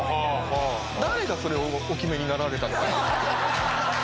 誰がそれをお決めになられたのかな？